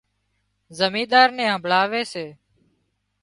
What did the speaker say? زمينۮار نين همڀۯاوي سي